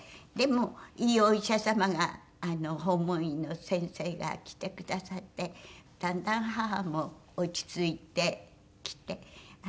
でもいいお医者様が訪問医の先生が来てくださってだんだん母も落ち着いてきて。